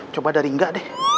coba dari enggak deh